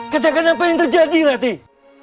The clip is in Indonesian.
katakan apa yang terjadi latih